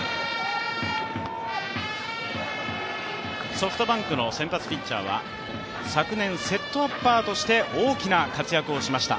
ソフトバンクの先発ピッチャーは昨年セットアッパーとして大きな活躍をしました。